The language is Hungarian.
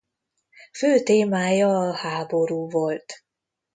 Fő témája a háború volt.